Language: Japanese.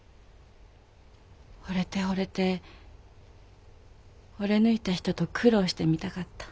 惚れて惚れて惚れぬいた人と苦労してみたかった。